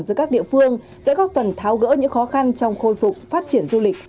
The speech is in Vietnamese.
giữa các địa phương sẽ góp phần tháo gỡ những khó khăn trong khôi phục phát triển du lịch